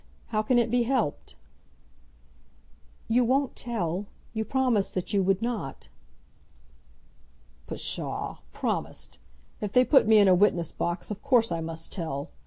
How can it be helped?" "You won't tell. You promised that you would not." "Psha; promised! If they put me in a witness box of course I must tell.